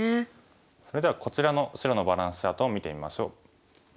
それではこちらの白のバランスチャートを見てみましょう。